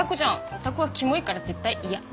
ヲタクはキモいから絶対嫌。